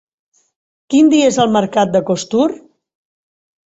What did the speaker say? Quin dia és el mercat de Costur?